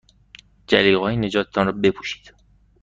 جلیقههای نجات تان را بپوشید.